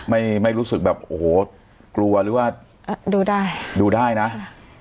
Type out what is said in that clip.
ไม่ไม่รู้สึกแบบโอ้โหกลัวหรือว่าดูได้ดูได้นะค่ะ